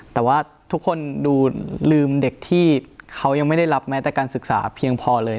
แต่ว่าทุกคนดูลืมเด็กที่เขายังไม่ได้รับแม้แต่การศึกษาเพียงพอเลย